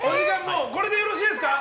これでよろしいですか？